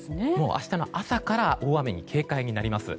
明日の朝から大雨に警戒になります。